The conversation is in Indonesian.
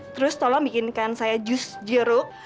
terus tolong bikinkan saya jus jeruk